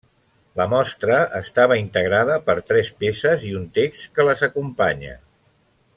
La mostra estava integrada per tres peces i un text que les acompanya.